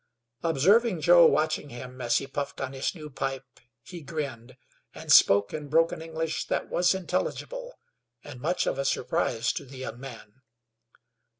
Observing Joe watching him as he puffed on his new pipe, he grinned, and spoke in broken English that was intelligible, and much of a surprise to the young man.